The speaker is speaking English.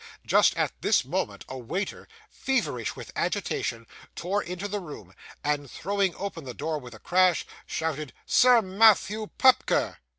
Just at this moment, a waiter, feverish with agitation, tore into the room, and throwing the door open with a crash, shouted 'Sir Matthew Pupker!